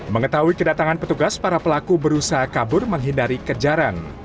mengetahui kedatangan petugas para pelaku berusaha kabur menghindari kejaran